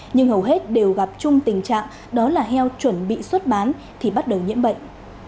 nhưng hầu hết đều gặp chung tình trạng đó là heo chuẩn bị xuất bán thì bắt đầu nhiễm bệnh